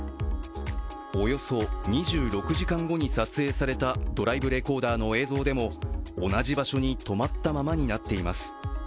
およそ２６時間後に撮影されたドライブレコーダーの映像でも同じ場所に止まったままになっています。